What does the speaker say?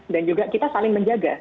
dan juga kita saling menjaga